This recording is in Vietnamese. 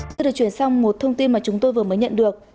chúng ta đã chuyển sang một thông tin mà chúng tôi vừa mới nhận được